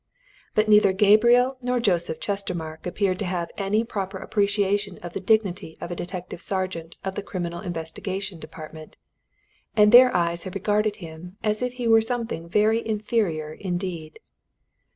But neither Gabriel nor Joseph Chestermarke appeared to have any proper appreciation of the dignity of a detective sergeant of the Criminal Investigation Department, and their eyes had regarded him as if he were something very inferior indeed.